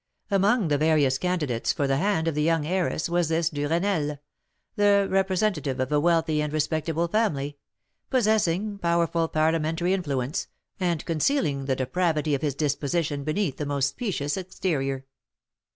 Among the various candidates for the hand of the young heiress was this Duresnel, the representative of a wealthy and respectable family, possessing powerful parliamentary influence, and concealing the depravity of his disposition beneath the most specious exterior.